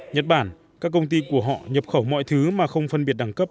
nhật bản các công ty của họ nhập khẩu mọi thứ mà không phân biệt đẳng cấp